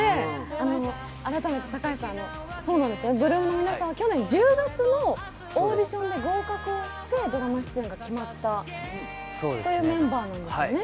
８ＬＯＯＭの皆さんは去年１０月のオーディションで合格してドラマ出演が決まったというメンバーなんですよね？